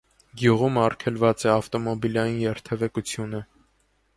Գյուղում արգելված է ավտոմոբիլային երթևեկությունը։